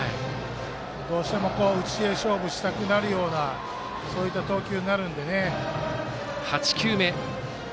どうしても内で勝負したくなるようなそういった投球になるんでね。